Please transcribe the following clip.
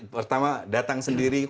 pertama datang sendiri